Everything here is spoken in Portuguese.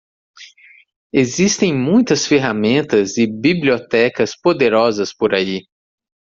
Existem muitas ferramentas e bibliotecas poderosas por aí.